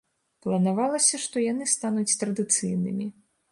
Планавалася, што яны стануць традыцыйнымі.